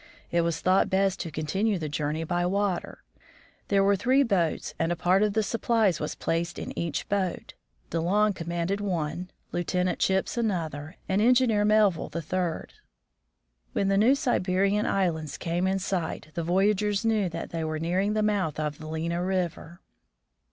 . It was thought best to continue the journey by water. There were three boats, and a part of the supplies was placed in each boat. De Long commanded one, Lieutenant VOYAGE OF THE JEANNETTE 79 Chipps another, and Engineer Melville the third. When the New Siberian islands came in sight, the voyagers knew that they were nearing the mouth of the Lena river.